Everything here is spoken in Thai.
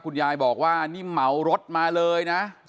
คุณยายบอกว่านี่เหมารถมาเลยนะ